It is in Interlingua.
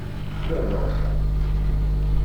Que rosas?